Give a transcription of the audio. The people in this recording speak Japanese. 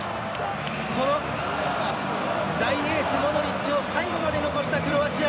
その大エース、モドリッチを最後まで残したクロアチア。